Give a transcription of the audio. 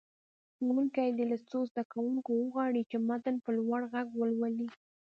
ښوونکی دې له څو زده کوونکو وغواړي چې متن په لوړ غږ ولولي.